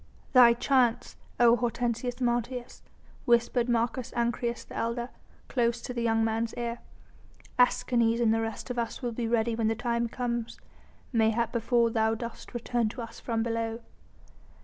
"Thy chance, O Hortensius Martius," whispered Marcus Ancyrus, the elder, close to the young man's ear. "Escanes and the rest of us will be ready when the time comes, mayhap before thou dost return to us from below."